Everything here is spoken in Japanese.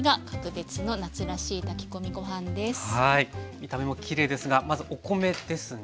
見た目もきれいですがまずお米ですね。